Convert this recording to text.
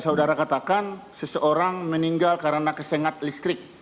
saudara katakan seseorang meninggal karena kesengat listrik